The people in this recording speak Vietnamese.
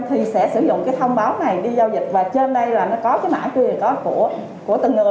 thì sẽ sử dụng cái thông báo này đi giao dịch và trên đây là nó có cái mã truyền có của từng người